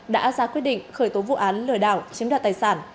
đã ra quyết định khởi tố vụ án lừa đảo chiếm đoạt tài sản